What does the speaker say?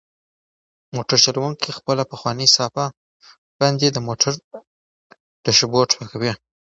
موټر چلونکی په خپله پخوانۍ صافه باندې د موټر ډشبورډ پاکوي.